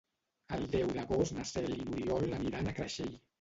El deu d'agost na Cel i n'Oriol aniran a Creixell.